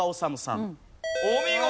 お見事！